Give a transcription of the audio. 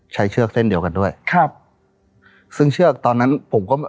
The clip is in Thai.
เชือกเส้นเดียวกันด้วยครับซึ่งเชือกตอนนั้นผมก็